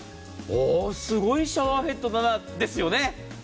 すごいシャワーヘッドだなですよね。